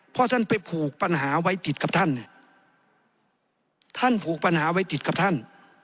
เพราะท่านไปผูกปัญหาไว้ติดกับท่านเนี่ยท่านผูกปัญหาไว้ติดกับท่าน